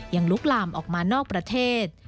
ลุกลามออกมานอกประเทศ